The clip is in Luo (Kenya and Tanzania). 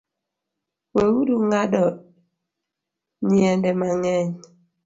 We uru ng’ado nyiende mang’eny